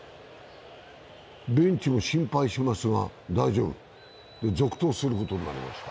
ベンチも心配しますが大丈夫、続投することになりました。